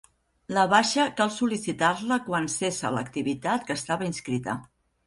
La baixa cal sol·licitar-la quan cessa l'activitat que estava inscrita.